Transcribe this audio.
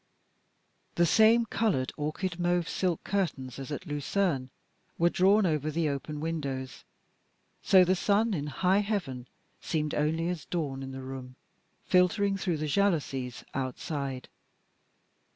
The same coloured orchid mauve silk curtains as at Lucerne were drawn over the open windows, so the sun in high heaven seemed only as dawn in the room, filtering though the jalousies outside.